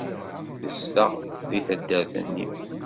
Tezdeɣ deg taddart-nni.